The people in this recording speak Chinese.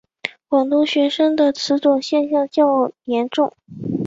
广东学生的此种现象较严重。